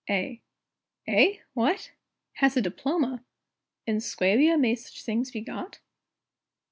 A. Eh? What? Has a diploma? In Suabia may such things be got?